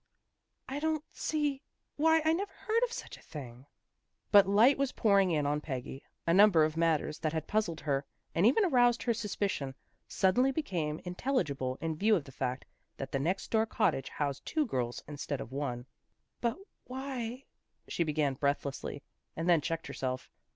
" I don't see why, I never heard of such a thing." But light was pouring in on Peggy. A number of matters that had puzzled her and even aroused her suspicion, suddenly became intelligible in view of the fact that the next door cottage housed two girls instead of one. " But why " she began breathlessly, and then checked herself.